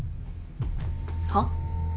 はっ？